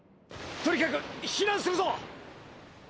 とにかくひなんするぞ！